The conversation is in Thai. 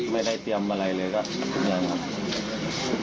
ไม่ได้เตรียมอะไรเลยก็เตือนครับ